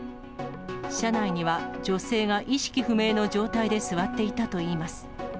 車内には、女性が意識不明の状態で座っていたといいます。